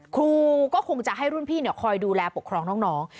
ครูก็คงจะให้รุ่นพี่คอยดูแลปกครองน้อง